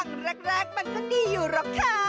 ครั้งแรกมันก็ดีอยู่หรอกค่ะ